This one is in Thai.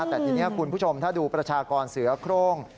แต่ทีนี้คุณผู้ชมถ้าดูประชากรเสือโครง